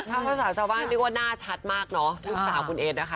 ถ้าสาวว่านี่ก็หน้าชัดมากเนอะ